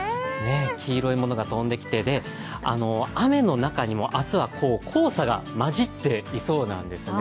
黄色いものが飛んできて、雨の中にも明日は黄砂が交じっていそうなんですね。